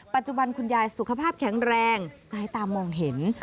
ปัจจุบันคุณยายสุขภาพแข็งแรงสายตามองเห็น